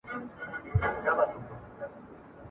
نن به ځم سبا به ځمه بس له ډار سره مي ژوند دی ..